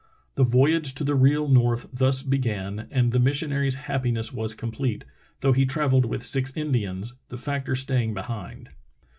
The voyage to the real north thus began, and the missionary's happiness was complete, though he travelled with six Indians, the factor staying behind.